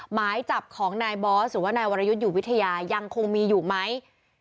หมายจับของนายบอสหรือว่านายวรยุทธ์อยู่วิทยายังคงมีอยู่ไหม